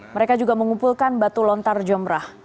mereka juga mengumpulkan batu lontar jombrah